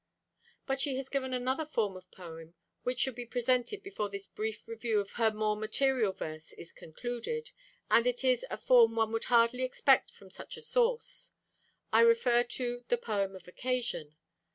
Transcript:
But she has given another form of poem which should be presented before this brief review of her more material verse is concluded, and it is a form one would hardly expect from such a source. I refer to the "poem of occasion."